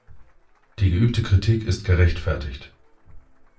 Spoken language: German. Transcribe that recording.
Die geübte Kritik ist gerechtfertigt.